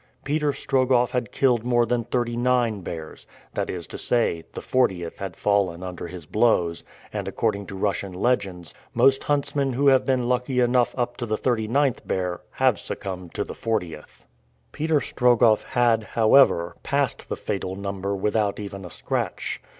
Peter Strogoff had killed more than thirty nine bears that is to say, the fortieth had fallen under his blows; and, according to Russian legends, most huntsmen who have been lucky enough up to the thirty ninth bear, have succumbed to the fortieth. Peter Strogoff had, however, passed the fatal number without even a scratch.